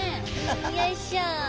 よいしょ。